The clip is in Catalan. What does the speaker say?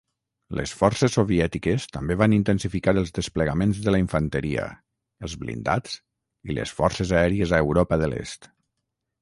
Les forces soviètiques també van intensificar els desplegaments de la infanteria, els blindats i les forces aèries a Europa de l'Est.